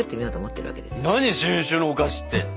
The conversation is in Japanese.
何新種のお菓子って！